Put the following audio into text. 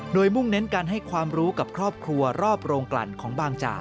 โดยมุ่งเน้นการให้ความรู้กับครอบครัวรอบโรงกลั่นของบางจาก